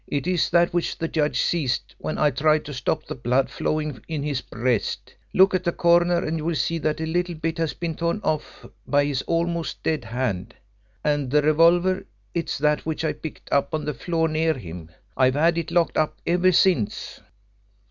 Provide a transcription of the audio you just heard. It is that which the judge seized when I tried to stop the blood flowing in his breast look at the corner and you will see that a little bit has been torn off by his almost dead hand. And the revolver it is that which I picked up on the floor near him. I have had it locked up ever since."